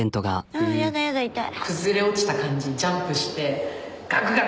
あぁやだやだ痛い。